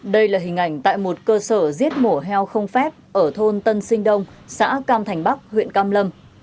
đây là hình ảnh tại một cơ sở giết mổ heo không phép ở thôn tân sinh đông xã cam thành bắc huyện cam lâm